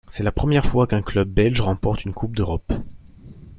C'est la première fois qu'un club belge remporte une Coupe d'Europe.